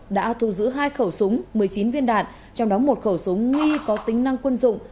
đã thu giữ hai khẩu súng một mươi chín viên đạn trong đó một khẩu súng nghi có tính năng quân dụng